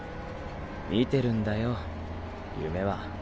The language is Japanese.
見てるんだよ夢は。